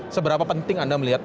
seberapa penting anda melihat